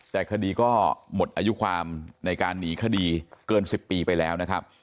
แต่คดีก็หมดอายุความในการหนีคดีเกิน๑๐ปีไปแล้วนะครับ